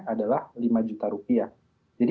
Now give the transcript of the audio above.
adalah lima juta rupiah jadi